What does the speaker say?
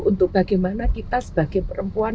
untuk bagaimana kita sebagai perempuan